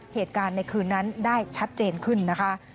เหตุการณ์ในคืนนั้นได้ชัดเจนขึ้นนะคะ